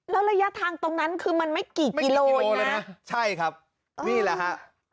แล้วระยะทางตรงนั้นคือมันไม่กี่กิโลเลยนะใช่ครับนี่แหละฮะ